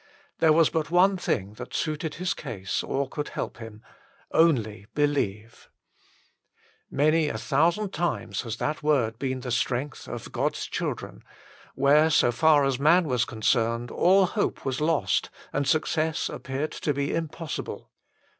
There was but one thing that suited his case or could help him :" only believe." Many a thousand times has that word been 1 Luke viii. 50. 137 138 THE FULL BLESSING OF PENTECOST the strength of God s children, where so far as man was concerned all hope was lost and success appeared to be impossible.